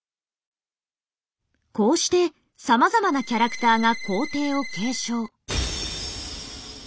こうしてさまざまなキャラクターが皇帝を継承。